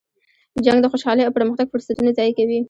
جنګ د خوشحالۍ او پرمختګ فرصتونه ضایع کوي.